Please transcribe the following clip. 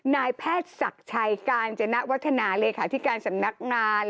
นายแพทย์ศักดิ์ชัยกาญจนวัฒนาเลขาธิการสำนักงาน